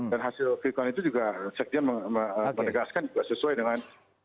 dan hasil quick count itu juga saya juga menegaskan sesuai dengan